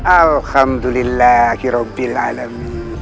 alhamdulillah ki robbil alamin